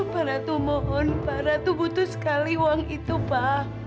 pak ratu mohon pak ratu butuh sekali uang itu pa